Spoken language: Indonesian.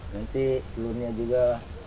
nanti telurnya juga